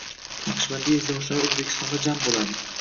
Naqshbandiya izdoshlari O‘zbekistonda jam bo‘ladi